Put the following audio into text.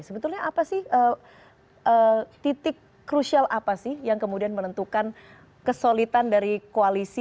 sebetulnya apa sih titik krusial apa sih yang kemudian menentukan kesolitan dari koalisi